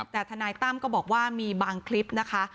แต่ทนายตั้มก็บอกว่ามีบางคลิปนะคะ